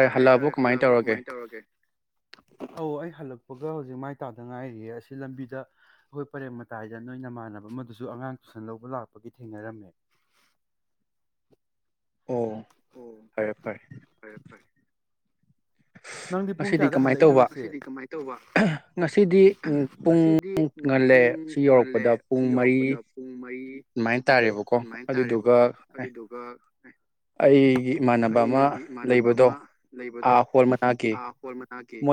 ꯇꯥꯏꯌꯦ ꯇꯥꯏꯌꯦ ꯍꯜꯂꯛꯑꯕꯣ ꯀꯃꯥꯏꯟ ꯇꯧꯔꯒꯦ꯫ ꯑꯧ ꯑꯩ ꯍꯜꯂꯛꯄꯒ ꯍꯧꯖꯤꯛ ꯃꯥꯏ ꯇꯥꯗ ꯉꯥꯏꯔꯤꯌꯦ ꯑꯁꯤ ꯂꯝꯕꯤꯗ ꯑꯩꯈꯣꯏ ꯄꯔꯦꯡ ꯃꯇꯥꯏꯗ ꯅꯣꯏ ꯅꯃꯥꯟꯅꯕ ꯑꯃꯗꯨꯁꯨ ꯑꯉꯥꯡ ꯇꯨꯏꯁꯟ ꯂꯧꯕ ꯂꯥꯛꯄꯒꯤ ꯊꯦꯡꯅꯔꯝꯃꯦ꯫ ꯑꯣ ꯐꯔꯦ ꯐꯔꯦ꯫ ꯅꯪꯗꯤ ꯄꯨꯡ ꯀꯌꯥꯗ ꯍꯜꯂꯛꯏꯅꯣꯁꯤ ꯑꯩꯗꯤ ꯀꯃꯥꯏꯅ ꯇꯧꯕ ꯉꯁꯤꯗꯤ ꯄꯨꯡ ꯉꯜꯂꯦ ꯁꯤ ꯌꯧꯔꯛꯄꯗ ꯄꯨꯡ ꯃꯔꯤ ꯑꯗꯨꯃꯥꯏꯅ ꯇꯥꯔꯦꯕꯀꯣ ꯑꯗꯨꯏꯗꯨꯒ ꯏꯃꯥꯟꯅꯕ ꯑꯃ ꯂꯩꯕꯗꯣ ꯑꯥ ꯍꯣꯜ ꯃꯅꯥꯛꯀꯤ꯫ ꯍꯣꯜ ꯃꯅꯥꯛꯀꯤ꯫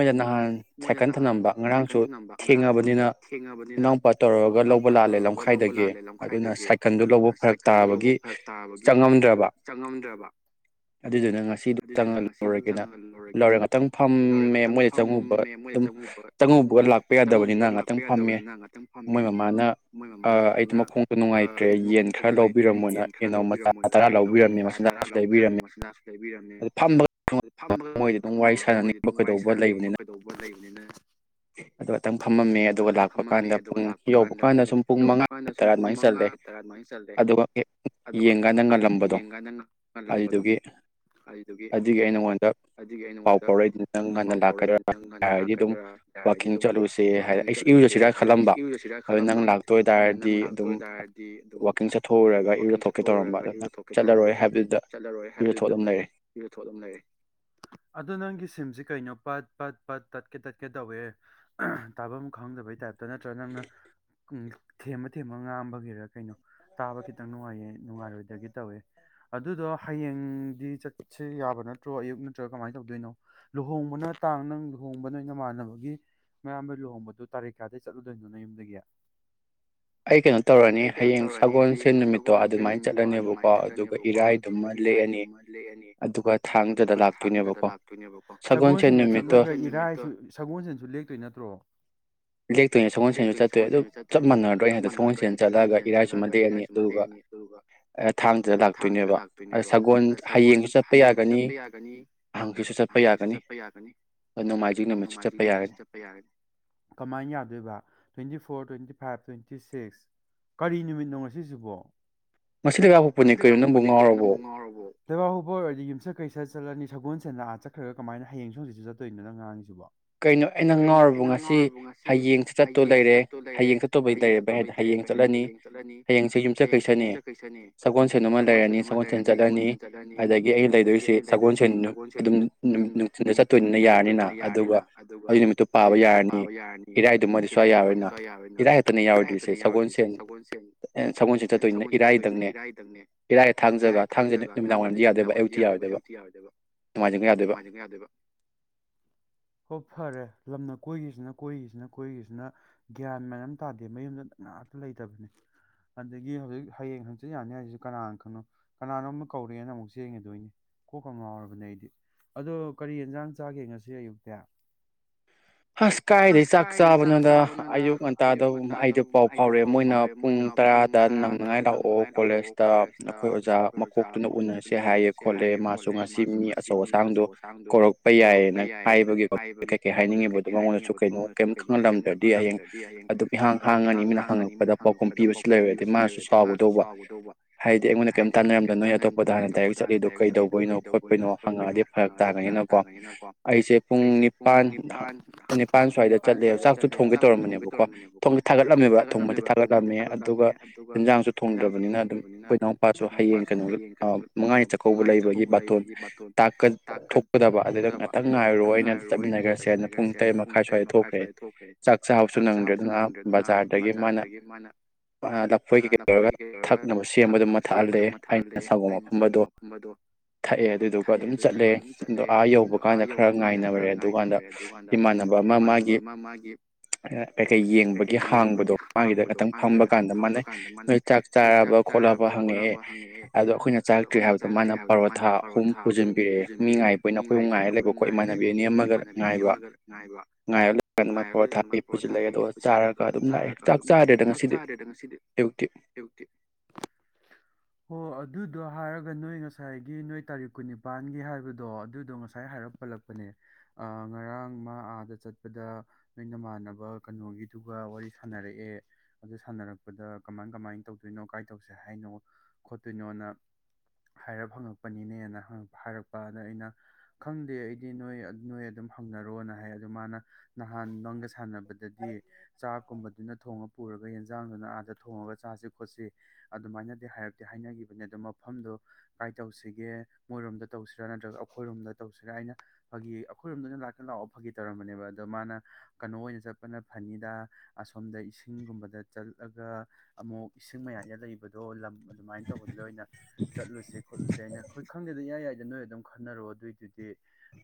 ꯁꯥꯏꯀꯜ ꯊꯅꯝꯕ ꯉꯔꯥꯡꯁꯨ ꯊꯦꯡꯉꯕꯅꯤꯅ ꯏꯅꯥꯎꯄꯥ ꯇꯧꯔꯒ ꯂꯧꯕ ꯂꯥꯜꯂꯦ ꯂꯝꯈꯥꯏꯗꯒꯤ ꯑꯗꯨꯅ ꯁꯥꯏꯀꯜꯗꯨ ꯂꯧꯕ ꯐꯔꯛ ꯇꯥꯕꯒꯤ ꯆꯪꯉꯝꯗ꯭ꯔꯕ ꯑꯗꯨꯏꯗꯨꯅ ꯉꯁꯤꯗ ꯆꯪꯉ ꯂꯧꯔꯒꯦꯅ ꯂꯧꯔꯦ ꯉꯥꯛꯇꯪ ꯐꯝꯃꯦ ꯃꯣꯏꯗ ꯆꯪꯉꯨꯕ ꯐꯝꯃꯦ ꯃꯣꯏꯗ ꯆꯪꯉꯨꯕ ꯑꯗꯨꯝ ꯆꯪꯉꯨꯕ ꯂꯥꯛꯄ ꯌꯥꯗꯕꯅꯤꯅ ꯉꯥꯛꯇꯪ ꯐꯝꯃꯦ ꯃꯣꯏ ꯃꯃꯥꯅ ꯑꯥ ꯑꯩꯗꯣ ꯃꯈꯣꯡꯗꯨ ꯅꯨꯡꯉꯥꯏꯇ꯭ꯔꯦ ꯌꯦꯟ ꯈꯔ ꯂꯧꯕꯤꯔꯝꯃꯣꯏꯅ ꯌꯦꯟꯅꯥꯎ ꯃꯆꯥ ꯇꯔꯥ ꯂꯧꯕꯤꯔꯝꯃꯦ ꯃꯆꯤꯟꯖꯥꯛꯁꯨ ꯂꯩꯕꯤꯔꯝꯃꯦ ꯐꯝꯕ ꯅꯤꯛꯄ ꯀꯩꯗꯧꯕ ꯂꯩꯕꯅꯤꯅ꯫ ꯀꯩꯗꯧꯕ ꯂꯩꯅꯤꯅ꯫ ꯑꯗꯨ ꯑꯃꯇꯪ ꯐꯝꯃꯝꯃꯦ ꯑꯗꯨꯒ ꯂꯥꯛꯄ ꯀꯥꯟꯗ ꯄꯨꯡ ꯌꯧꯕ ꯀꯥꯟꯗ ꯁꯨꯝ ꯄꯨꯡ ꯃꯉꯥ ꯇꯔꯥ ꯑꯗꯨꯃꯥꯏꯅ ꯆꯠꯂꯦ ꯑꯗꯨꯒ ꯌꯦꯡꯀꯥꯟꯗ ꯉꯜꯂꯝꯕꯗꯣ ꯑꯗꯨꯗꯨꯒꯤ ꯑꯗꯨꯒꯤ ꯑꯩ ꯅꯉꯣꯟꯗ ꯄꯥꯎ ꯐꯥꯎꯔꯛꯏꯗꯨ ꯅꯪ ꯉꯟꯅ ꯂꯥꯛꯀꯗꯔꯥ꯫ ꯉꯥꯟꯅ ꯂꯥꯛꯀꯥꯗꯔꯥ ꯑꯗꯨ ꯋꯥꯥꯛꯀꯤꯡ ꯆꯠꯂꯨꯁꯦ ꯍꯥꯏꯔꯛ ꯑꯩꯁ ꯏꯔꯨꯨꯖꯁꯤꯔ ꯈꯜꯂꯝꯕ ꯑꯗꯨ ꯅꯪ ꯂꯥꯛꯇꯣꯏ ꯑꯣꯏꯇꯗꯤ ꯑꯗꯨꯝ ꯋꯥꯀꯤꯡ ꯆꯠꯊꯣꯛꯎꯔꯒ ꯏꯔꯨꯊꯣꯛꯀꯦ ꯇꯧꯔꯝꯕ ꯑꯗꯨ ꯅꯪ ꯆꯠꯂꯔꯣꯏ ꯍꯥꯏꯕꯗꯨꯗ ꯏꯔꯨꯊꯣ ꯑꯗꯨꯝ ꯂꯩꯔꯦ ꯑꯗꯣ ꯅꯪꯒꯤ ꯁꯤꯝꯁꯤ ꯀꯩꯅꯣ꯫ ꯄꯠ ꯄꯠ꯫ ꯄꯠ ꯇꯠꯀꯦ ꯇꯠꯀꯦ ꯇꯧꯋꯦ ꯇꯥꯕꯝ ꯈꯪꯗꯕꯩ ꯇꯥꯏꯞꯇ ꯅꯠꯇ꯭ꯔꯒ ꯅꯪꯅ ꯊꯦꯝꯃ ꯊꯦꯝꯃ ꯉꯥꯝꯕꯒꯤꯔ ꯀꯩꯅꯣ ꯇꯥꯕ ꯈꯤꯇꯪ ꯅꯨꯡꯉꯥꯏꯌꯦ꯫ ꯅꯨꯡꯉꯥꯏꯔꯣꯏꯗꯒꯤ ꯇꯧꯋꯦ ꯑꯗꯨꯗꯣ ꯍꯌꯦꯡꯗꯤ ꯆꯠꯁꯦ ꯌꯥꯕ ꯅꯠꯇ꯭ꯔꯣ ꯑꯌꯨꯛ ꯅꯠꯇ꯭ꯔꯒ ꯀꯃꯥꯏꯅ ꯇꯧꯗꯣꯏꯅꯣ ꯂꯨꯍꯣꯡꯕꯅ ꯇꯥꯡ ꯅꯪ ꯂꯨꯍꯣꯡꯕ ꯅꯣꯏꯅꯃꯥꯟꯅꯕꯒꯤ ꯃꯌꯥꯝꯕ ꯂꯨꯍꯣꯡꯕꯗꯨꯣ ꯇꯥꯔꯤꯛ ꯀꯌꯥꯗꯒꯤ ꯆꯠꯂꯨꯗꯣꯏꯅꯣ ꯅꯥꯌꯨꯝꯗꯒꯤ꯫ ꯑꯩ ꯀꯩꯅꯣ ꯇꯧꯔꯅꯤ ꯍꯌꯦꯡ ꯁꯒꯣꯜꯁꯦꯟ ꯅꯨꯃꯤꯠꯇꯣ ꯑꯗꯨꯃꯥꯏꯅ ꯆꯠꯂꯅꯦꯕꯀꯣ ꯑꯗꯨꯒ ꯏꯔꯥꯏꯗꯨꯃ ꯂꯦꯛꯑꯅꯤ ꯑꯗꯨꯒ ꯊꯥꯡꯖꯗ ꯂꯥꯛꯇꯣꯏꯅꯦꯕꯀꯣ ꯁꯒꯣꯜꯁꯦꯟ ꯅꯨꯃꯤꯠꯇꯣ ꯏꯔꯥꯏꯁꯨ ꯁꯒꯣꯜꯁꯦꯟꯁꯨ ꯂꯦꯛꯇꯣꯏ ꯅꯠꯇ꯭ꯔꯣ꯫ ꯂꯦꯛꯇꯣꯏꯅꯦ ꯁꯒꯣꯜꯁꯦꯟꯁꯨ ꯆꯠꯇꯣꯏ ꯑꯗꯨ ꯆꯞ ꯃꯥꯟꯅꯔꯗ꯭ꯔꯣ ꯑꯩꯅ ꯍꯥꯗꯣ ꯁꯒꯣꯜ ꯁꯦꯟ ꯆꯠꯂꯒ ꯏꯔꯥꯏꯁꯨ ꯑꯃ ꯂꯦꯛꯑꯅꯤ ꯑꯗꯨꯒ ꯊꯥꯡꯖꯥꯗ ꯂꯥꯛꯇꯣꯏꯅꯦꯕ ꯁꯒꯣꯜ ꯍꯌꯦꯡꯁꯨ ꯆꯠꯄ ꯌꯥꯒꯅꯤ ꯍꯪꯆꯤꯁꯨ ꯆꯠꯄ ꯌꯥꯒꯅꯤ꯫ ꯅꯣꯡꯃꯥꯏꯖꯤꯡ ꯅꯨꯃꯤꯠꯁꯨ ꯆꯠꯄ ꯌꯥꯒꯅꯤ ꯀꯃꯥꯏꯟ ꯌꯥ ꯑꯗꯨꯕ twenty four twenty five twenty six ꯀꯔꯤ ꯅꯨꯃꯤꯠꯅꯣ ꯉꯁꯤꯁꯤꯕꯣ꯫ ꯉꯁꯤ ꯂꯩꯕꯥꯛ ꯄꯣꯛꯄꯅꯦ ꯀꯩꯅꯣ ꯅꯪꯕꯨ ꯉꯥꯎꯔꯕ ꯂꯩꯕꯥꯛ ꯄꯣꯛꯄ ꯑꯣꯏꯔꯗꯤ ꯌꯨꯝꯁ ꯀꯩ ꯁꯥ꯫ ꯆꯠꯂꯅꯤ ꯁꯒꯣꯜꯁꯦꯟꯗ ꯑꯥ ꯆꯠꯈ꯭ꯔꯒ ꯀꯃꯥꯏꯅ ꯍꯌꯦꯡ ꯁꯨ ꯍꯪꯆꯠꯁꯨ ꯆꯠ ꯇꯣꯏꯅꯣ ꯅꯪ ꯉꯥꯡꯉꯁꯤꯕꯣ꯫ ꯀꯩꯅꯣ ꯑꯩꯅ ꯉꯥꯎꯔꯕ ꯉꯁꯤ ꯍꯌꯦꯡꯁꯦ ꯆꯠꯇꯣ ꯂꯩꯔꯦ ꯍꯌꯦꯡ ꯆꯠꯇꯧꯕꯩ ꯂꯩꯔꯩ ꯍꯥꯏꯗꯤ ꯍꯌꯦꯡ ꯆꯠꯂꯅꯤ ꯍꯌꯦꯡꯁꯦ ꯌꯨꯝꯆꯠ ꯀꯩꯁꯅꯦ ꯁꯒꯣꯜꯁꯦꯟ ꯗꯨꯃ ꯂꯩꯔꯅꯤ ꯁꯒꯣꯜꯁꯦꯟ ꯆꯠꯂꯅꯤ ꯑꯗꯒꯤ ꯑꯩꯅ ꯂꯩꯗꯣꯏꯔꯤꯁꯦ ꯁꯒꯣꯜꯁꯦꯟ ꯑꯗꯨꯝ ꯅꯨꯡꯃꯤꯠꯇꯨꯗ ꯆꯠꯇꯣꯏꯅꯤ ꯅ ꯌꯥꯔꯅꯤꯅ ꯑꯗꯨꯒ ꯑꯗꯨꯒ ꯑꯗꯨꯏ ꯅꯨꯃꯤꯠꯇꯨ ꯄꯥꯕ ꯌꯥꯔꯅꯤ ꯏꯔꯥꯏꯗꯨꯃꯗꯤ ꯁꯨꯌꯥ ꯌꯥꯔꯔꯣꯏꯅ ꯏꯔꯥꯏ ꯈꯛꯇꯅꯦ ꯌꯥꯔꯣꯏꯗ꯭ꯔꯤꯁꯦ ꯁꯒꯣꯜꯁꯦꯟ ꯁꯒꯣꯂꯁꯦꯟ ꯆꯠꯇꯣꯏꯅꯤꯅ ꯏꯔꯥꯏꯗꯪꯅꯦ ꯏꯔꯥꯏꯒ ꯊꯥꯡꯖꯒ ꯊꯥꯡꯖꯗꯤ ꯅꯨꯃꯤꯗꯥꯡ ꯋꯥꯏꯔꯝꯗꯤ ꯌꯥꯗꯣꯏꯕ ꯑꯌꯨꯛꯇꯤ ꯌꯥꯔꯣꯏꯗꯣꯏꯕ ꯅꯨꯡꯉꯥꯏꯖꯤꯡꯒ ꯌꯥꯗꯣꯏꯕ꯫ ꯐꯔꯦ ꯂꯝꯅ ꯀꯣꯏꯒꯤꯁꯤꯅ ꯀꯣꯏꯒꯤꯁꯤꯅ ꯀꯣꯏꯒꯤꯁꯤꯅ ꯒꯌ꯭ꯥꯟ ꯃꯦꯟ ꯑꯥꯝ ꯇꯥꯗꯦ ꯃꯌꯨꯝꯗ ꯉꯥꯛꯇ ꯂꯩꯇꯕꯅꯤ ꯑꯗꯒꯤ ꯍꯧꯖꯤꯛ ꯍꯌꯦꯡ ꯍꯪꯆꯤꯠ ꯌꯥꯅꯤ ꯍꯥꯏꯁꯨ ꯀꯅꯥꯅ ꯈꯪꯕ ꯀꯅꯥꯅꯣꯃ ꯀꯧꯔꯦꯅ ꯆꯦꯟꯒꯤꯗꯣꯏꯅꯤ ꯀꯣꯛꯀ ꯉꯥꯎꯔꯕꯅꯤ ꯑꯩꯗꯤ ꯑꯗꯨ ꯀꯔꯤ ꯑꯦꯟꯖꯥꯡ ꯆꯥ ꯆꯥꯒꯦ ꯉꯁꯤ ꯑꯌꯨꯛꯇꯦꯞ ꯑꯁ ꯀꯥꯏꯗꯩ ꯆꯥꯛ ꯆꯕꯅꯣꯗ ꯑꯌꯨꯛ ꯉꯟꯇꯥꯗꯨꯝ ꯑꯩꯗꯨ ꯄꯥꯎ ꯐꯥꯎꯔꯦ ꯃꯣꯏꯅ ꯄꯨꯡ ꯇꯔꯥꯗ ꯅꯪꯅꯉꯥꯏ ꯂꯥꯛꯑꯣ ꯀꯣꯂꯦꯖꯇ ꯅꯈꯣꯏ ꯑꯣꯖꯥ ꯃꯀꯣꯛꯇꯨꯅ ꯎꯅꯁꯦ ꯍꯥꯏꯌꯦ ꯈꯣꯠꯂꯦ ꯃꯥꯁꯨ ꯉꯁꯤ ꯃꯤ ꯑꯆꯧ ꯑꯁꯥꯡꯗꯣ ꯀꯧꯔꯛꯄꯩ ꯌꯥꯏꯌꯦꯅ ꯍꯥꯏꯕꯒꯤ ꯀꯩꯀꯩ ꯍꯥꯏꯅꯤꯡꯉꯤꯕ ꯃꯥꯉꯣꯟꯗꯁꯨ ꯀꯩꯅꯣ ꯀꯩꯝ ꯈꯪꯍꯜꯂꯝꯗ꯭ꯔꯗꯤ ꯍꯌꯦꯡ ꯑꯗꯨꯝ ꯏꯍꯥꯡ ꯍꯥꯡꯉꯅꯤ ꯃꯤꯅ ꯍꯪꯉꯛꯄꯗ ꯄꯥꯎꯈꯨꯝ ꯄꯤꯕꯁꯨ ꯂꯩꯔꯣꯏ ꯑꯗꯩꯩ ꯃꯥꯁꯨ ꯁꯥꯎꯒꯗꯧꯕ ꯍꯥꯏꯗꯤ ꯑꯩꯉꯣꯟꯗ ꯀꯩꯝ ꯇꯥꯟꯅꯔꯝꯗ ꯅꯣꯏ ꯑꯇꯣꯞꯄꯗ ꯍꯥꯟꯅ ꯗꯥꯏꯔꯦꯛ ꯆꯠꯂꯤꯗꯣ ꯀꯩꯗꯧꯕꯩꯅꯣ ꯈꯣꯠꯄꯩꯅꯣ ꯍꯪꯉꯛꯑꯗꯤ ꯐꯔꯛ ꯇꯥꯅꯒꯤꯅꯀꯣ ꯑꯗꯨꯒꯤꯅꯀꯣ ꯑꯩꯁꯦ ꯄꯨꯡ ꯅꯤꯄꯥꯟ ꯅꯤꯄꯥꯟ ꯁ꯭ꯋꯥꯏꯗ ꯆꯠꯂꯦꯕ ꯆꯥꯛꯇꯨ ꯊꯣꯡꯒꯦ ꯇꯧꯔꯝꯕꯅꯦꯕꯀꯣ ꯊꯣꯡ ꯊꯥꯒꯠꯂꯝꯃꯦꯕ ꯊꯣꯡꯕꯗꯤ ꯊꯥꯒꯠꯂꯝꯃꯦ ꯑꯗꯨꯒ ꯌꯦꯟꯖꯥꯡꯁꯨ ꯊꯣꯡꯗ꯭ꯔꯕꯅꯤꯅ ꯑꯗꯨꯝ ꯑꯩꯈꯣꯏ ꯏꯅꯥꯎꯄꯥꯁꯨ ꯍꯌꯦꯡ ꯀꯩꯅꯣ ꯑꯥ ꯃꯉꯥꯅꯤ ꯆꯥꯛꯀꯧꯕ ꯂꯩꯕꯒꯤ ꯕꯥꯇꯣꯟ ꯇꯥꯀꯥ ꯊꯣꯛꯄꯗ ꯑꯗꯨꯗ ꯉꯥꯇꯪ ꯉꯥꯏꯔꯣ ꯑꯩꯅ ꯆꯠꯃꯤꯟꯅꯒ꯭ꯔꯁꯦꯅ ꯄꯨꯡ ꯃꯈꯥꯏ ꯁ꯭ꯋꯥꯏ ꯊꯣꯛꯈ꯭ꯔꯦ ꯆꯥꯛ ꯆꯥꯥꯕꯁꯨ ꯅꯪꯗ꯭ꯔꯦ ꯑꯗꯨꯅ ꯕꯖꯥꯔꯗꯒꯤ ꯃꯥꯅ ꯂꯐꯣꯏ ꯀꯩꯀꯩ ꯇꯧꯔꯒ ꯊꯛꯅꯕ ꯁꯦꯝꯕꯗꯨꯃ ꯊꯛꯍꯜꯂꯦ ꯑꯩꯅ ꯁꯪꯒꯣꯝ ꯃꯐꯝ ꯑꯗꯣ ꯊꯛꯑꯦ ꯑꯗꯨꯗꯨꯒ ꯑꯗꯨꯝ ꯆꯠꯂꯦ ꯑꯗꯣ ꯑꯥ ꯑꯗꯣ ꯑꯥ ꯌꯧꯕ ꯒꯥꯟꯗ ꯈꯔ ꯉꯥꯏꯅꯔꯦ ꯑꯗꯨꯒꯟꯗ ꯃꯥꯟꯅꯕ ꯑꯃ ꯃꯥꯒꯤ ꯀꯩꯀꯩ ꯌꯦꯡꯕꯒꯤ ꯍꯥꯡꯕꯗꯣ ꯃꯥꯒꯤꯗ ꯉꯥꯇꯪ ꯐꯝꯕꯀꯥꯟꯗ ꯃꯥꯅ ꯅꯣꯏ ꯆꯥꯛ ꯆꯥꯔꯕ ꯈꯣꯠꯂꯕ ꯍꯪꯉꯛꯑꯦ ꯑꯗꯣ ꯑꯩꯈꯣꯏꯅ ꯆꯥꯔꯛꯇ꯭ꯔꯤ ꯍꯥꯏꯕꯗꯣ ꯃꯥꯅ ꯄꯔꯣꯊꯥ ꯑꯍꯨꯝ ꯄꯨꯁꯤꯟꯕꯤꯔꯛꯑꯦ ꯃꯤ ꯉꯥꯏꯕ ꯑꯩꯈꯣꯏꯍꯨꯝ ꯉꯥꯏꯔ ꯂꯩꯕꯀꯣ ꯏꯃꯥꯟꯅꯕꯤ ꯑꯅꯤ ꯑꯃꯒ ꯉꯥꯏꯕ ꯉꯥꯏꯕ ꯉꯥꯏꯔ ꯂꯩꯒꯟ ꯄꯣꯊꯥ ꯄꯨꯁꯤꯜꯂꯛꯑꯦ ꯑꯗꯨꯒ ꯆꯥꯔꯒ ꯑꯗꯨꯝ ꯂꯥꯛꯑꯦ ꯆꯥꯛ ꯆꯥꯔꯦꯗ ꯉꯁꯤꯗꯤ ꯑꯌꯛꯇꯤ ꯍ ꯑꯣ ꯑꯗꯨꯗꯣ ꯍꯥꯏꯔꯒ ꯅꯣꯏ ꯉꯁꯥꯏꯒꯤ ꯅꯣꯏ ꯇꯥꯔꯤꯛ ꯀꯨꯟꯅꯤꯄꯥꯥꯟꯒꯤ ꯍꯥꯏꯕꯗꯣ ꯑꯗꯨ ꯑꯗꯣ ꯉꯁꯥꯏ ꯍꯥꯏꯔꯞ ꯄꯜꯂꯛꯄꯅꯦ ꯑꯥ ꯉꯔꯥꯡ ꯃꯥ ꯑꯥꯗ ꯆꯠꯄꯗ ꯅꯣꯏ ꯅꯃꯥꯟꯅꯕ ꯀꯩꯅꯣꯒꯤꯗꯨꯒ ꯋꯥꯔꯤ ꯁꯥꯟꯅꯔꯛꯑꯦ ꯑꯗꯨ ꯁꯥꯟꯅꯔꯛꯄꯗ ꯀꯃꯥꯏꯟ ꯀꯃꯥꯏꯟ ꯇꯧꯗꯣꯏꯅꯣ ꯀꯥꯏ ꯇꯧꯁꯦ ꯍꯥꯏꯅꯣ ꯈꯣꯠꯇꯣꯏꯅꯣꯅ ꯍꯥꯏꯔꯞ ꯍꯪꯉꯛꯄꯅꯤꯅꯦꯅ ꯍꯥꯏꯔꯛꯄ ꯑꯗ ꯑꯩꯅ ꯈꯪꯗꯦ ꯑꯩꯗꯤ ꯅꯣꯏ ꯅꯣꯏ ꯑꯗꯨꯝ ꯍꯪꯅꯔꯣꯅ ꯍꯥꯏ ꯑꯗꯨ ꯃꯥꯅ ꯅꯍꯥꯟ ꯅꯪꯒ ꯁꯥꯟꯅꯕꯗꯗꯤ ꯆꯥꯛꯀꯨꯝꯕꯗꯨꯅ ꯊꯣꯡꯉ ꯄꯨꯔꯒ ꯌꯦꯟꯖ ꯌꯦꯟꯖꯥꯡꯗꯨꯅ ꯑꯥꯗ ꯊꯣꯡꯉꯒ ꯆꯥꯁꯤ ꯈꯣꯠꯁꯤ ꯑꯗꯨꯃꯥꯏꯅꯗꯤ ꯍꯥꯏꯔꯞꯇꯤ ꯍꯥꯏꯅꯈꯤꯕꯅꯦ ꯑꯗꯣ ꯃꯐꯝꯗꯣ ꯀꯥꯏ ꯇꯧꯁꯤꯒꯦ ꯃꯣꯏꯔꯣꯝꯗ ꯇꯧꯁꯤꯔꯥ ꯅꯠꯇ꯭ꯔꯒ ꯑꯩꯈꯣꯏꯔꯣꯝꯗ ꯇꯧꯁꯤꯔꯥ ꯑꯩꯅ ꯐꯥꯒꯤ ꯑꯩꯈꯣꯏꯔꯣꯝꯗꯅ ꯂꯥꯛꯀꯦ ꯂꯥꯛꯑꯣ ꯐꯥꯒꯤ ꯇꯧꯔꯝꯕꯅꯦꯕ ꯑꯗꯣ ꯃꯥꯅ ꯀꯩꯅꯣ ꯑꯣꯏꯅ ꯆꯠꯄꯅ ꯐꯅꯤꯗ ꯑꯁꯣꯝꯗ ꯏꯁꯤꯡꯒꯨꯝꯕꯗ ꯆꯠꯂꯒ ꯑꯃꯨꯛ ꯏꯁꯤꯡ ꯃꯌꯥꯏꯗ ꯂꯩꯕꯗꯣ ꯂꯝ ꯑꯗꯨꯃꯥꯏꯟ ꯇꯧꯕꯗꯨꯗ ꯑꯣꯏꯅ ꯆꯠꯂꯨꯁꯦ ꯈꯣꯠꯂꯨꯁꯦ ꯑꯩꯅ ꯑꯩꯈꯣꯏ ꯈꯪꯗꯦꯗ ꯏꯌꯥ ꯌꯥꯏ [unintelligible] ꯈꯟꯅꯔꯣ ꯑꯗꯨꯏꯗꯨꯗꯤ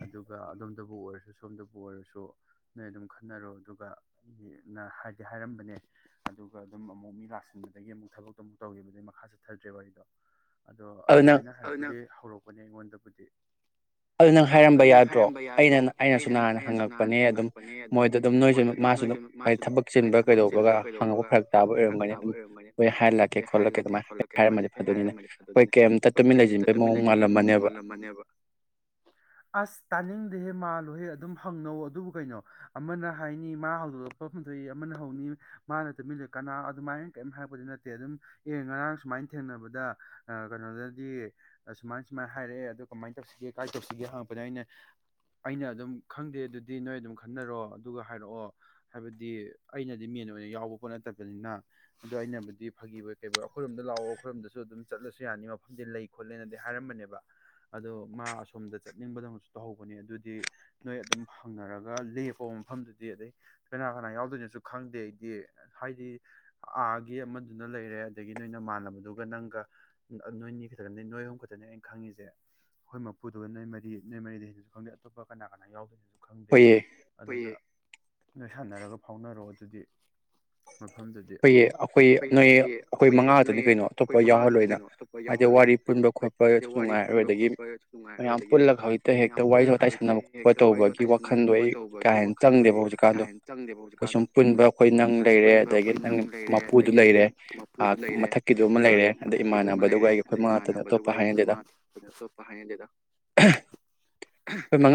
ꯑꯗꯨꯒ ꯑꯗꯣꯝꯗꯕꯨ ꯑꯣꯏꯔꯁꯨ ꯁꯣꯝꯗꯕꯨ ꯑꯣꯏꯔꯁꯨ ꯅꯣꯏ ꯑꯗꯨꯝ ꯈꯟꯅꯔꯣ ꯑꯗꯨꯒ ꯗꯤ ꯍꯥꯏꯗꯤ ꯍꯥꯏꯔꯝꯕꯅꯦ ꯑꯗꯨꯒ ꯑꯗꯨꯝ ꯑꯃꯣꯛ ꯃꯤ ꯂꯥꯛꯁꯤꯟꯕꯗꯒꯤ ꯑꯃꯨꯛ ꯊꯕꯛꯇꯣ ꯑꯃꯨꯛ ꯇꯧꯈꯤꯕꯗꯩꯩ ꯃꯈꯥ ꯆꯠꯊꯗ꯭ꯔꯦ ꯑꯩꯗꯣ ꯑꯗꯣ ꯑꯗꯨꯃꯥꯏꯅ [inaudible] ꯍꯧꯔꯛꯄꯅꯦ ꯑꯩꯉꯣꯟ [inaudible] ꯑꯗꯨ ꯅꯪ ꯍꯥꯏꯔꯝꯕ ꯌꯥꯗ꯭ꯔꯣ ꯑꯩꯅ ꯑꯩꯅꯁꯨ ꯅꯍꯥꯟ ꯍꯪꯉꯛꯄꯅꯦ ꯑꯗꯨꯝ ꯃꯣꯏꯗ ꯑꯗꯨꯝ ꯅꯣꯏꯁꯨ ꯃꯥꯁꯨ ꯑꯗꯨꯝ ꯍꯥꯏ ꯊꯕꯛ ꯆꯤꯟꯕ ꯀꯩꯗꯧꯕꯒ ꯍꯪꯉꯛꯄ ꯐꯔꯛ ꯇꯥꯕ ꯑꯣꯏꯔꯝꯒꯅꯤ ꯑꯗꯨꯝ ꯃꯣꯏ ꯍꯥꯏꯜꯂꯛꯀꯦ ꯈꯣꯠꯂꯛꯀꯦ ꯑꯗꯨꯃꯥꯏꯅ ꯍꯥꯏꯔꯝꯃꯗꯤ ꯐꯗꯅꯤꯅꯦ ꯑꯩꯈꯣꯏ ꯀꯩꯝꯇ ꯇꯨꯃꯤꯟ ꯂꯩꯖꯤꯟꯕꯩ ꯃꯑꯣꯡ ꯃꯥꯜꯂꯝꯃꯅꯦꯕ ꯑꯁ ꯇꯥꯅꯤꯡꯗꯦꯍꯦ ꯃꯥꯜꯂꯣꯏꯍꯦ ꯑꯗꯨꯝ ꯍꯪꯅꯧ ꯑꯗꯨꯕꯨ ꯀꯩꯅꯣ ꯑꯃꯅ ꯍꯥꯏꯅꯤ ꯃꯥ ꯍꯧꯗꯣꯛꯂꯛꯄꯐꯝ ꯗꯣꯏ ꯑꯃꯅ ꯍꯧꯅꯤ ꯃꯥꯅ ꯇꯨꯃꯤꯟꯅ ꯀꯅꯥ ꯑꯗꯨꯃꯥꯏꯅ ꯀꯔꯤꯝ ꯍꯥꯏꯔꯛꯄꯗꯤ ꯅꯠꯇꯦ ꯑꯗꯨꯝ ꯑꯦ ꯉꯔꯥꯡ ꯁꯨꯃꯥꯏꯅ ꯊꯦꯡꯅꯕꯗ ꯀꯩꯅꯣꯗꯗꯤ ꯑꯃꯥꯏ ꯁꯨꯃꯥꯏꯅ ꯍꯥꯏꯔꯛꯑꯦ ꯀꯃꯥꯏꯅ ꯇꯧꯁꯤꯒꯦ ꯀꯥꯏ ꯇꯧꯁꯤꯒꯦ ꯍꯪꯉꯛꯄꯅ ꯑꯩꯅ ꯑꯩꯅ ꯑꯗꯨꯝ ꯈꯪꯗꯦ ꯑꯗꯨꯗꯤ ꯅꯣꯏ ꯑꯗꯨꯝ ꯈꯟꯅꯔꯣ ꯑꯗꯨꯒ ꯍꯥꯏꯔꯛꯑꯣ ꯍꯥꯏꯕꯗꯤ ꯑꯩꯅꯗꯤ ꯃꯦꯟ ꯑꯣꯏꯅ ꯌꯥꯎꯕ ꯄꯣꯠ ꯅꯠꯇꯕꯅꯤꯅ ꯑꯗꯣ ꯑꯩꯅꯕꯨꯗꯤ ꯐꯥꯒꯤꯕꯣꯏ ꯀꯩꯕꯣꯏ ꯑꯩꯈꯣꯏꯔꯣꯝꯗ ꯂꯥꯎꯑꯣ ꯑꯩꯈꯣꯏꯔꯣꯝꯗꯁꯨ ꯑꯗꯨꯝ ꯆꯠꯂꯁꯨ ꯌꯥꯅꯤ ꯃꯐꯝꯗꯤ ꯂꯩ ꯈꯣꯠꯂꯦꯅꯗꯤ ꯍꯥꯏꯔꯝꯕꯅꯦꯕ ꯑꯗꯣ ꯃꯥ ꯑꯁꯣꯝꯗ ꯆꯠꯅꯤꯡꯕꯗꯧꯅꯁꯨ ꯇꯧꯍꯧꯕꯅꯦ ꯑꯗꯨꯗꯤ ꯅꯣꯏ ꯑꯗꯨꯝ ꯍꯪꯅꯔꯒ ꯂꯦꯞꯄꯣ ꯃꯐꯝꯗꯨꯗꯤ ꯑꯗꯩ ꯀꯅꯥ ꯀꯅꯥ ꯌꯥꯎꯗꯣꯏꯅꯣꯁꯨ ꯈꯪꯗꯦ ꯑꯩꯗꯤ ꯍꯥꯏꯗꯤ ꯑꯥꯒꯤ ꯑꯃꯗꯨꯅ ꯂꯩꯔꯦ ꯑꯗꯒꯤ ꯅꯣꯏꯕꯅꯃꯥꯟꯅꯕꯗꯨꯒ ꯅꯪꯒ ꯅꯣꯏꯅꯤ ꯈꯛꯇꯅꯤ ꯅꯣꯏ ꯑꯍꯨꯝ ꯈꯛꯇꯅꯤ ꯑꯩꯅ ꯈꯪꯉꯤꯁꯦ ꯑꯩꯈꯣꯏ ꯃꯄꯨꯗꯨꯒ ꯅꯣꯏ ꯃꯔꯤ ꯅꯣꯏ ꯃꯔꯤꯗ ꯍꯦꯟꯁꯨ ꯈꯪꯗꯦ ꯑꯇꯣꯞꯄ ꯀꯅꯥ ꯀꯅꯥ ꯌꯥꯎꯗꯣꯢꯅꯣꯁꯨ ꯈꯪꯗꯦ [inaudible] ꯅꯣꯏꯁꯥꯟꯅꯔꯒ ꯐꯥꯎꯅꯔꯣ ꯑꯗꯨꯗꯤ ꯍꯣꯏꯌꯦ ꯑꯩꯈꯣꯏ ꯅꯣꯏꯌꯦ ꯑꯩꯈꯣꯏ ꯃꯉꯥꯈꯛꯇꯅꯤ ꯀꯩꯅꯣ ꯑꯇꯣꯞꯄ ꯌꯥꯎꯍꯜꯂꯣꯏꯅ ꯍꯥꯏꯗꯤ ꯋꯥꯔꯤ ꯄꯨꯟꯕ ꯈꯣꯠꯄꯁꯨ ꯅꯨꯡꯉꯥꯏ ꯑꯗꯨ ꯑꯗꯒꯤ ꯃꯌꯥꯝ ꯄꯨꯜꯂꯒ ꯍꯧꯖꯤꯛꯇ ꯍꯦꯛꯇ ꯋꯥꯔꯤ ꯋꯥꯇꯥꯏ ꯁꯥꯟꯅꯕ ꯈꯣꯠꯄ ꯇꯧꯕꯒꯤ ꯋꯥꯈꯟꯗꯣ ꯑꯩ ꯀꯥ ꯍꯦꯟꯅ ꯆꯪꯗꯦꯕ ꯍꯧꯖꯤꯛꯀꯥꯟꯗꯣ ꯑꯩꯈꯣꯏ ꯁꯨꯝ ꯄꯨꯟꯕ ꯑꯩꯈꯣꯏ ꯅꯪ ꯂꯩꯔꯦ ꯑꯗꯒꯤ ꯅꯪꯒꯤ ꯃꯄꯨꯗꯨ ꯂꯩꯔꯦ ꯃꯊꯛꯀꯤꯗꯨ ꯑꯃ ꯂꯩꯔꯦ ꯑꯗ ꯏꯃꯥꯟꯅꯕꯗꯨꯒ ꯑꯩꯒꯤ ꯑꯩꯈꯣꯏ ꯃꯉꯥꯇ ꯑꯇꯣꯞꯄ ꯍꯥꯏꯅꯗꯨꯦꯗ ꯑꯇꯣꯞꯄ ꯍꯥꯏꯅꯗꯦꯗ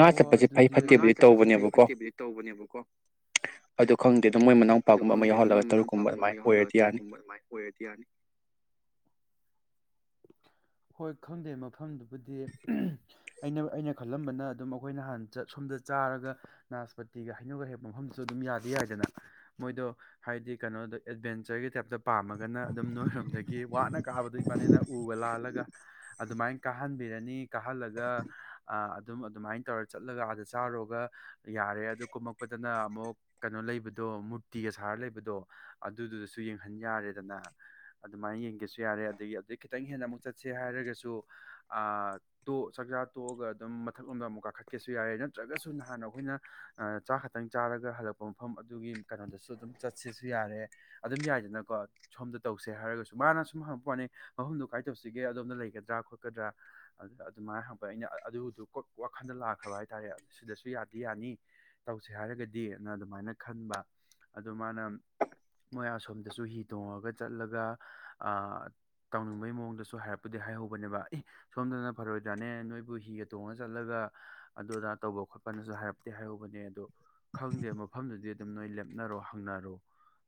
ꯍꯣ ꯑꯗꯨ ꯃꯉꯥ ꯆꯠꯄꯁꯦ ꯐꯩ ꯐꯠꯇꯦꯕꯨꯗꯤ ꯇꯧꯕꯅꯦꯕꯀꯣ ꯑꯗꯨ ꯈꯪꯗꯦ ꯑꯗꯨꯝ ꯃꯣꯏ ꯃꯅꯥꯎꯄꯥꯒꯨꯝꯕ ꯑꯃ ꯌꯥꯎꯍꯜꯂꯒ ꯇꯔꯨꯛꯀꯨꯝꯕ ꯑꯗꯨꯃꯥꯏꯅ ꯑꯣꯏꯔꯗꯤ ꯌꯥꯅꯤ ꯍꯣꯏ ꯈꯪꯗꯦ ꯃ ꯃꯐꯝꯗꯨꯕꯨꯗꯤ ꯑꯩꯅ ꯑꯩꯅ ꯈꯜꯂꯝꯕꯅ ꯑꯗꯨꯝ ꯑꯩꯈꯣꯏꯅ ꯍꯥꯟꯅ ꯁꯣꯝꯗ ꯆꯥꯔꯒ ꯅꯥꯁꯄꯇꯤꯒ ꯍꯩꯅꯧꯒ ꯍꯦꯛꯄ ꯃꯐꯝꯗꯨꯁꯨ ꯑꯗꯨꯝ ꯌꯥꯗꯤ ꯌꯥꯏꯗꯅ ꯃꯣꯏꯗꯣ ꯍꯥꯏꯗꯤ ꯀꯩꯅꯣꯗꯣ ꯑꯦꯗꯚꯦꯟꯆꯔꯒꯤ ꯇꯥꯏꯞꯇ ꯄꯥꯝꯃꯒꯅ ꯑꯗꯨꯝ ꯅꯣꯏꯔꯣꯝꯗꯒꯤ ꯋꯥꯅ ꯀꯥꯕꯗ ꯏꯕꯥꯅꯤꯅ ꯎꯕ ꯂꯥꯜꯂꯒ ꯑꯗꯨꯃꯥꯏ ꯀꯥꯍꯟꯕꯤꯔꯅꯤ ꯀꯥꯍꯜꯂꯒ ꯑꯗꯨꯝ ꯑꯗꯨꯃꯥꯏꯅ ꯇꯧꯔ ꯆꯠꯂꯒ ꯑꯥꯗ ꯆꯥꯔꯨꯔꯒ ꯌꯥꯔꯦ ꯑꯗꯨ ꯀꯨꯝꯃꯛꯄꯗꯅ ꯑꯃꯨꯛ ꯀꯩꯅꯣ ꯂꯩꯕꯗꯣ ꯃꯨꯔꯇꯤꯒ ꯁꯥꯔ ꯂꯩꯕꯗꯣ ꯑꯗꯨꯗꯨꯗꯁꯨ ꯌꯦꯡꯍꯟ ꯌꯥꯔꯦꯗꯅ ꯑꯗꯨꯃꯥꯏꯅ ꯌꯦꯡꯒꯦꯁꯨ ꯌꯥꯔꯦ ꯑꯗꯒꯤ ꯑꯗꯨꯗꯩ ꯈꯤꯇꯪ ꯍꯦꯟꯅ ꯑꯃꯨꯛ ꯆꯠꯁꯤ ꯍꯥꯏꯔꯒꯁꯨ ꯆꯥꯛꯆꯥ ꯇꯣꯛꯑꯒ ꯑꯗꯨꯝ ꯃꯊꯛꯂꯣꯝꯗ ꯑꯃꯨꯛ ꯀꯥꯈꯠꯀꯦꯁꯨ ꯌꯥꯔꯦ ꯅꯠꯇ꯭ꯔꯒꯁꯨ ꯅꯍꯥꯟ ꯑꯩꯈꯣꯏꯅ ꯆꯥꯛ ꯈꯛꯇꯪ ꯆꯥꯔꯒ ꯍꯜꯂꯛꯄ ꯃꯐꯝ ꯑꯗꯨꯒꯤ ꯀꯩꯅꯣꯗꯁꯨ ꯑꯗꯨꯝ ꯆꯠꯁꯤꯁꯨ ꯌꯥꯔꯦ ꯑꯗꯨꯝ ꯌꯥꯏꯗꯅꯀꯣ ꯁꯣꯝꯗ ꯇꯧꯁꯦ ꯍꯥꯏꯔꯒꯁꯨ ꯃꯥꯅ ꯁꯨꯝ ꯍꯪꯉꯛꯄ ꯋꯥꯅꯦ ꯃꯐꯝꯗꯣ ꯀꯥꯏꯅ ꯇꯧꯁꯤꯒꯦ ꯑꯗꯣꯝꯗ ꯂꯩꯒꯗ꯭ꯔꯥꯠꯄ ꯀꯗ꯭ꯔꯥ ꯑꯗꯨ ꯑꯗꯨꯃꯥꯏꯅ ꯍꯪꯉꯛꯄ ꯑꯩꯅ ꯑꯗꯨꯗꯨ ꯀ ꯋꯥꯈꯟꯗ ꯂꯥꯛꯈ꯭ꯔꯕ ꯍꯥꯏꯇꯥꯔꯦ ꯁꯤꯗꯁꯨ ꯌꯥꯗꯤ ꯌꯥꯅꯤ ꯇꯧꯁꯦ ꯍꯥꯏꯔꯒꯗꯤꯅ ꯑꯗꯨꯃꯥꯏꯅ ꯈꯟꯕ ꯑꯗꯨ ꯃꯥꯅ ꯃꯣꯏ ꯑꯁꯣꯝꯗꯁꯨ ꯍꯤ ꯇꯣꯡꯉꯒ ꯆꯠꯂꯒ ꯇꯧꯅꯤꯡꯕꯩ ꯃꯑꯣꯡꯗꯁꯨ ꯍꯥꯏꯔꯞꯄꯨꯗꯤ ꯍꯥꯏꯍꯧꯕꯅꯦꯕ ꯁꯣꯝꯗꯅ ꯐꯔꯣꯏꯗꯅꯦ ꯅꯣꯏꯕꯨ ꯍꯤꯒ ꯇꯣꯡꯉ ꯆꯠꯂꯒ ꯑꯗꯨ ꯑꯗꯥ ꯇꯧꯕ ꯈꯣꯠꯄꯅꯁꯨ ꯍꯥꯏꯔꯞꯇꯦ ꯍꯥꯏꯍꯧꯕꯅꯦ ꯑꯗꯣ ꯈꯪꯗꯦ ꯃꯐꯝꯗꯨꯗꯤ ꯑꯗꯨꯝ ꯅꯣꯏ ꯂꯦꯞꯅꯔꯣ ꯍꯪꯅꯔꯣ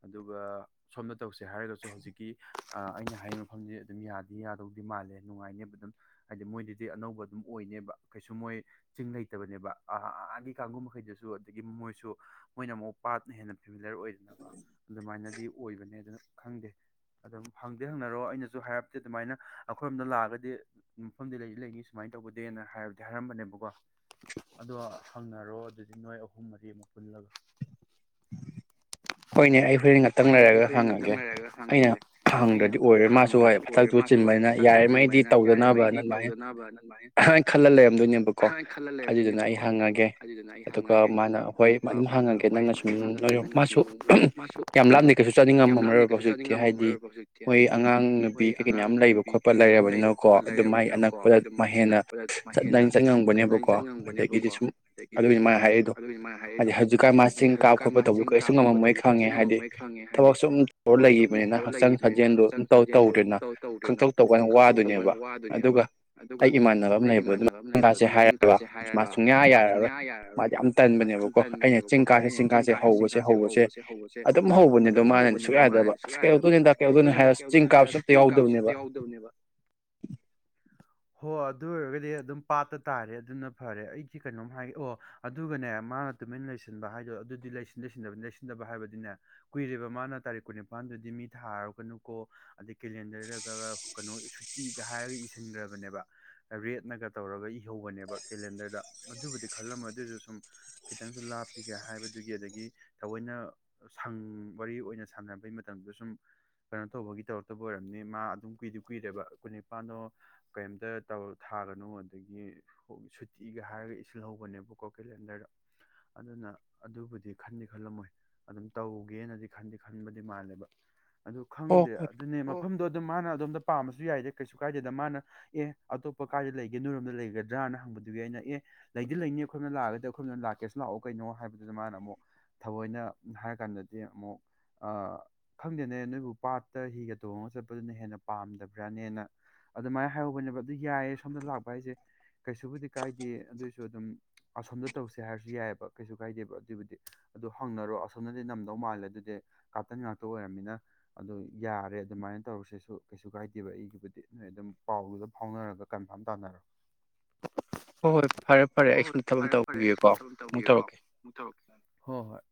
ꯑꯗꯨꯒ ꯁꯣꯝꯗ ꯇꯧꯁꯦ ꯍꯥꯏꯔꯒꯁꯨ ꯍꯧꯖꯤꯛꯀꯤ ꯑꯩꯅ ꯍꯥꯏꯔꯤꯕ ꯃꯐꯝꯗꯨꯗꯤ ꯑꯗꯨꯝ ꯌꯥꯗꯤ ꯌꯥꯗꯧꯗꯤ ꯃꯥꯜꯂꯦ ꯅꯨꯡꯉꯥꯏꯅꯦꯕ ꯑꯗꯨꯝ ꯍꯥꯏꯗꯤ ꯃꯣꯏꯗꯨꯗꯤ ꯑꯅꯧꯕ ꯑꯗꯨꯝ ꯑꯣꯏꯅꯦꯕ ꯀꯩꯁꯨ ꯃꯣꯏ ꯆꯤꯡ ꯂꯩꯇꯕꯅꯦꯕ ꯑꯥꯒꯤ ꯀꯥꯡꯒꯨꯝ ꯃꯈꯩꯗꯁꯨ ꯑꯗꯨꯗꯒꯤ ꯃꯣꯏꯁꯨ ꯃꯣꯏꯅ ꯑꯃꯨꯛ ꯄꯥꯠꯅ ꯍꯦꯟꯅ ꯐꯦꯃꯤꯂꯔ ꯑꯣꯏꯗꯅꯀꯣ ꯑꯗꯨꯃꯥꯏꯅꯗꯤ ꯑꯣꯏꯕꯅꯦ ꯑꯗꯨꯅ ꯈꯪꯗꯦ ꯑꯗꯨꯝ ꯍꯪꯗꯤ ꯍꯪꯅꯔꯣ ꯑꯩꯅꯁꯨ ꯍꯥꯏꯔꯞꯇꯤ ꯑꯗꯨꯃꯥꯏꯅ ꯑꯩꯈꯣꯏꯔꯣꯝꯗ ꯂꯥꯛꯑꯒꯗꯤ ꯃꯐꯝꯗꯤ ꯂꯩꯗꯤ ꯂꯩꯅꯤ ꯁꯨꯃꯥꯏꯅ ꯇꯧꯒꯗꯦꯅ ꯍꯥꯏꯔꯕꯗꯤ ꯍꯥꯏꯔꯝꯕꯅꯦꯕꯀꯣ ꯑꯗꯣ ꯍꯪꯅꯔꯣ ꯑꯗꯨꯗꯤ ꯅꯣꯏ ꯑꯍꯨꯝ ꯃꯔꯤ ꯑꯃꯨꯛ ꯄꯨꯜꯂꯒ ꯍꯣꯏꯅꯦ ꯑꯩ ꯍꯨꯔꯦꯟ ꯉꯥꯛꯇꯪ ꯂꯩꯔꯒ ꯍꯪꯉꯒꯦ ꯑꯩꯅ ꯍꯪꯗ꯭ꯔꯗꯤ ꯑꯣꯏꯔꯦꯏ ꯃꯥꯁꯨ ꯍꯣꯏ ꯐꯊꯛꯇꯗ ꯆꯤꯟꯕꯅꯤꯅ ꯌꯥꯔꯃꯩꯗꯤ ꯇꯧꯗ ꯑꯥꯟꯅꯕꯅ ꯑꯗꯨꯃꯥꯏꯅ ꯈꯜꯂ ꯂꯩꯔꯝꯗꯣꯏꯅꯦꯕꯀꯣ ꯑꯗꯨꯗꯨꯅ ꯑꯩ ꯍꯪꯉꯒꯦ ꯑꯗꯨꯒ ꯃꯥꯅ ꯍꯣꯏ ꯑꯗꯨꯝ ꯍꯪꯉꯒꯦ ꯅꯪꯅ ꯁꯨꯝ ꯃꯥꯁꯨ ꯌꯥꯝ ꯂꯥꯞꯅ ꯀꯩꯁꯨ ꯆꯥꯅꯤꯡꯉꯝꯝꯃꯔꯔꯕ ꯍꯧꯖꯤꯛꯇꯤ ꯍꯥꯏꯗꯤ ꯃꯣꯏ ꯑꯉꯥꯡ ꯅꯨꯄꯤ ꯀꯩꯀꯩ ꯃꯌꯥꯝ ꯂꯩꯕ ꯈꯣꯠꯄ ꯂꯩꯔꯕꯅꯤꯅꯀꯣ ꯑꯗꯨ ꯃꯒꯤ ꯑꯅꯛꯄꯗ ꯃꯥ ꯍꯦꯟꯅ ꯆꯠꯅꯤꯡ ꯆꯠ ꯉꯕꯅꯦꯕꯀꯣ ꯑꯗꯒꯤꯗꯤ ꯁꯨꯝ ꯑꯗꯨꯒꯤꯗꯤ ꯃꯥꯥꯏꯅ ꯍꯥꯏꯔꯛꯏꯗꯣ ꯍꯥꯏꯗꯤ ꯍꯧꯖꯤꯛꯀꯥꯟ ꯃꯥ ꯆꯤꯡ ꯀꯥꯞ ꯈꯣꯠꯄ ꯇꯧꯕꯤ ꯀꯔꯤꯁꯨ ꯉꯝꯃꯝꯃꯣꯏ ꯈꯪꯉꯦ ꯍꯥꯏꯗꯤ ꯊꯕꯛ ꯁ ꯑꯗꯨ ꯇꯧꯔ ꯂꯩꯕꯅꯤꯅ ꯍꯛꯆꯥꯡ ꯁꯥꯖꯦꯜꯗꯣ ꯑꯗꯨꯧ ꯇꯧꯗꯣꯏꯅ ꯈꯪꯇꯣꯛ ꯇꯧꯕ ꯀꯅ ꯋꯥꯗꯣꯏꯅꯤ ꯑꯩꯈꯣꯏꯅ ꯋꯥꯗꯣꯏꯅꯦꯕ ꯑꯗꯨꯒ ꯑꯩ ꯏꯃꯥꯟꯅꯕ ꯑꯃ ꯂꯩꯕꯗꯣ ꯑꯗꯨꯝ ꯆꯤꯡ ꯇꯥꯁꯦ ꯍꯥꯏꯔꯕ ꯃꯥ ꯁꯨꯡꯌꯥ ꯌꯥꯔꯔꯣꯏ ꯃꯥꯗꯤ ꯌꯥꯝ ꯇꯟꯕꯅꯦꯕꯀꯣ ꯑꯩꯅ ꯆꯤꯡ ꯀꯥꯁꯦ ꯆꯤꯡꯀꯥꯁꯦ ꯍꯧꯕ ꯁꯦ ꯍꯧꯕꯁꯦ ꯑꯗꯨꯝ ꯍꯧꯕꯅꯦ ꯑꯗꯣ ꯃꯥꯅꯗꯤ ꯁꯨꯛ ꯌꯥꯗꯕ ꯑꯁ ꯀꯩꯗꯧꯗꯣꯏꯅꯣꯗ ꯀꯩꯗꯧꯗꯣꯏꯅꯣꯗ ꯍꯥꯏꯔ ꯆꯤꯡ ꯀꯥꯕ ꯆꯞꯄ ꯌꯥꯎꯗꯕꯅꯦꯕ [inaudible] ꯍꯣ ꯑꯗꯨ ꯑꯣꯏꯔꯒꯗꯤ ꯑꯗꯨꯝ ꯄꯥꯠꯇ ꯇꯥꯔꯦ ꯑꯗꯨꯅ ꯐꯔꯦ ꯑꯩꯗꯤ ꯀꯩꯅꯣꯝ ꯍꯥꯏꯒꯦ ꯑꯣ ꯑꯗꯨꯒꯅꯦ ꯃꯥꯅ ꯇꯨꯃꯤꯟꯅ ꯂꯩꯁꯤꯟꯕ ꯍꯥꯏꯗꯣ ꯑꯗꯨꯗꯤ ꯂꯩꯗꯤ ꯂꯩꯁꯤꯟꯗꯕꯅꯦ ꯂꯩꯁꯤꯟꯗꯕ ꯍꯥꯏꯕꯗꯤꯅꯦ ꯀꯨꯏꯔꯦꯕ ꯃꯥꯅ ꯇꯥꯔꯤꯛ ꯀꯨꯟꯅꯤꯄꯥꯜ ꯗꯨꯗꯤ ꯃꯤ ꯊꯥꯔꯨꯒꯅꯨꯀꯣ ꯑꯗꯩ ꯀꯦꯂꯦꯟꯗꯔꯗꯒ ꯀꯩꯅꯣ ꯇꯤꯒ ꯍꯥꯏꯔꯒ ꯏꯁꯤꯟꯈ꯭ꯔꯕꯅꯦꯕ ꯔꯦꯠꯅꯒ ꯇꯧꯔꯒ ꯏꯍꯧꯕꯅꯦꯕ ꯀꯦꯂꯦꯟꯗꯔꯗ ꯃꯗꯨꯕꯨꯗꯤ ꯈꯜꯂꯝꯃꯣꯌ ꯑꯗꯨꯁꯨ ꯁꯨꯝ ꯈꯤꯇꯪꯁꯨ ꯂꯥꯞꯄꯤꯒ ꯍꯥꯏꯕꯗꯨꯒꯤ ꯑꯗꯒꯤ ꯊꯑꯣꯏꯅ ꯁꯪ ꯋꯥꯔꯤ ꯑꯣꯏꯅ ꯁꯥꯟꯅꯕꯩ ꯃꯇꯝꯗꯁꯨ ꯁꯨꯝ ꯀꯩꯅꯣ ꯇꯧꯕꯒꯤ ꯇꯧꯔꯛꯇꯕ ꯑꯣꯏꯔꯕꯅꯤ ꯃꯥ ꯑꯗꯨꯝ ꯀꯨꯏꯗꯤ ꯀꯨꯏꯔꯦꯕ ꯀꯨꯟ ꯅꯤꯄꯥꯜꯗꯣ ꯀꯔꯤꯝꯇ ꯇꯧ ꯊꯥꯒꯅꯨ ꯑꯗꯒꯤ ꯁꯨꯇꯤꯒ ꯍꯥꯏꯔꯒ ꯏꯁꯤꯜ ꯍꯧꯕꯅꯦꯕꯀꯣ ꯀꯦꯂꯦꯟꯗꯔꯗ ꯑꯗꯨꯅ ꯑꯗꯨꯕꯨꯗꯤ ꯈꯟꯗꯤ ꯈꯜꯂꯝꯃꯣꯏ ꯑꯗꯨꯝ ꯇꯧꯒꯦꯅꯗꯤ ꯈꯟꯗꯤ ꯈꯟꯕꯗꯤ ꯃꯥꯜꯂꯦꯕ ꯑꯗꯨ ꯈꯪꯗꯦ ꯑꯗꯨꯅꯦ ꯃꯐꯝꯗꯣ ꯑꯗꯨꯝ ꯃꯥꯅ ꯑꯗꯣꯝꯗ ꯄꯥꯝ ꯃꯁꯨ ꯌꯥꯏꯗ ꯀꯩꯁꯨ ꯀꯥꯏꯗꯦꯗ ꯃꯥꯅ ꯑꯦ ꯑꯇꯣꯞꯄ ꯀꯥꯏꯗ ꯂꯩꯒꯦ ꯅꯣꯏꯔꯣꯝꯗ ꯂꯩꯒꯗ꯭ꯔꯥꯅ ꯍꯪꯕꯗꯨꯒꯤ ꯑꯩꯅ ꯑꯦ ꯂꯩꯗꯤ ꯂꯩꯅꯤ ꯑꯩꯈꯣꯏꯃꯗ ꯂꯥꯛꯑꯒꯗꯤ ꯑꯩꯈꯣꯏꯅ ꯂꯥꯛꯀꯦꯁꯨ ꯂꯥꯛꯑꯣ ꯀꯩꯅꯣ ꯍꯥꯏꯕ ꯑꯗꯨꯁꯨ ꯃꯥꯅ ꯑꯃꯨꯛ ꯊꯑꯣꯏꯅ ꯍꯥꯏꯔ ꯀꯥꯟꯗꯗꯤ ꯑꯃꯨꯛ ꯈꯪꯗꯦꯅꯦ ꯅꯣꯏꯕꯨ ꯄꯥꯠꯇ ꯍꯤꯒ ꯇꯣꯡꯉꯒ ꯆꯠꯄꯗꯨꯅ ꯍꯦꯟꯅ ꯄꯥꯝꯗꯕ꯭ꯔꯥꯅꯦꯅ ꯑꯗꯨꯃꯥꯏꯅ ꯍꯥꯏꯍꯧꯕꯅꯦꯕ ꯑꯗꯨ ꯌꯥꯏꯌꯦ ꯁꯣꯝꯗ ꯂꯥꯛꯄ ꯍꯥꯏꯁꯦ ꯀꯩꯁꯨꯕꯨꯗꯤ ꯀꯥꯏꯗꯦ ꯑꯗꯨꯏꯁꯨ ꯑꯗꯨꯝ ꯑꯁꯣꯝꯗ ꯇꯧꯁꯦ ꯍꯥꯏꯔꯁꯨ ꯌꯥꯏꯑꯕ ꯀꯩꯁꯨ ꯀꯥꯏꯗꯦꯕ ꯑꯗꯨꯏꯕꯨꯗꯤ ꯑꯗꯨ ꯍꯪꯅꯔꯣ ꯑꯁꯣꯝꯗꯗꯤ ꯅꯝꯗꯧ ꯃꯥꯜꯂꯦ ꯑꯗꯨꯗꯤ ꯀꯥꯞꯇꯟ ꯉꯥꯛꯇ ꯑꯣꯏꯔꯝꯅꯤꯅ ꯑꯗꯨ ꯌꯥꯔꯦ ꯑꯗꯨꯃꯥꯏꯅ ꯇꯧꯔꯁꯦꯁꯨ ꯀꯩꯁꯨ ꯀꯥꯏꯗꯦꯕ ꯑꯩꯒꯤꯕꯨꯗꯤ ꯅꯣꯏ ꯑꯗꯨꯝ ꯄꯥꯎꯗꯨꯗ ꯐꯥꯎꯅꯔꯒ ꯀꯟꯐꯥꯝ ꯇꯥꯅꯔꯣ ꯍꯣ ꯍꯣꯏ ꯐꯔꯦ ꯐꯔꯦ ꯑꯩꯁꯨ ꯊꯕꯛ ꯑꯃ ꯇꯧꯒꯤꯒꯦꯀꯣ ꯑꯃꯨꯛ ꯇꯧꯔꯛꯀꯦ ꯍꯣ ꯍꯣꯏ